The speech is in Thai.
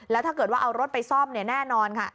แล้วถ้าเกิดว่าเอารถไปซ่อมแน่นอนค่ะ